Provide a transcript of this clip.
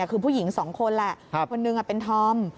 คือผู้หญิงสองคนแหละคนหนึ่งเป็นธอม